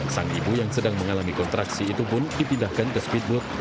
sang ibu yang sedang mengalami kontraksi itu pun dipindahkan ke speedboat